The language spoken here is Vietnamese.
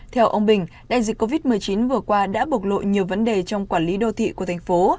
theo ông bình đại dịch covid một mươi chín vừa qua đã bộc lộ nhiều vấn đề trong quản lý đô thị của thành phố